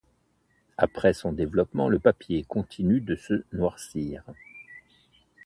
Après son développement, le papier continue de se noircir.